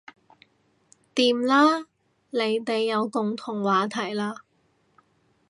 掂啦你哋有共同話題喇